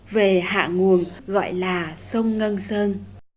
về hạ nguồn gọi là sông ngân sơn